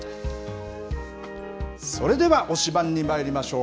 それでは推しバン！にまいりましょう。